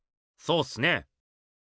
そうすっね。